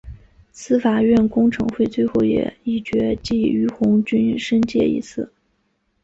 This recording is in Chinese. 司法院公惩会最后也议决记俞鸿钧申诫一次。